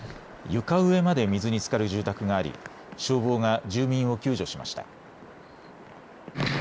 床上まで水につかる住宅があり消防が住民を救助しました。